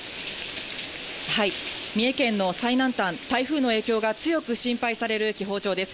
三重県の最南端、台風の影響が強く心配される紀宝町です。